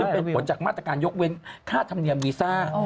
เป็นผลจากมาตรการยกเว้นค่าธรรมเนียมวีซ่า